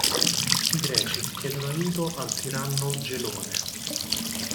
I Greci chiedono aiuto al tiranno Gelone.